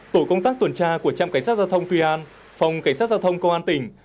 tổ công tác tuần tra của trạm cảnh sát giao thông tuy an phòng cảnh sát giao thông công an tỉnh